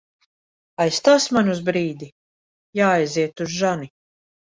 Aizstāsi mani uz brīdi? Jāaiziet uz žani.